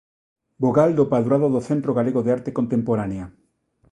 Vogal do Padroado do Centro Galego de Arte Contemporánea.